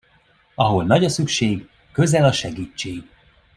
Ahol nagy a szükség, közel a segítség.